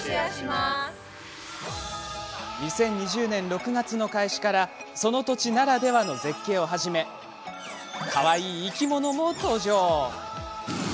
２０２０年６月の開始からその土地ならではの絶景をはじめかわいい生き物も。